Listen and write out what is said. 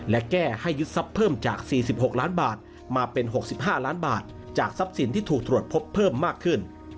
และแก้ให้ยึดทรัพย์เพิ่มจาก๔๖ล้านบาทมาเป็น๖๕ล้านบาทจากทรัพย์สินที่ถูกตรวจพบเพิ่มมากขึ้น